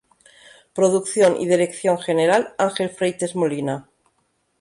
Producción y Dirección General: Ángel Freites Molina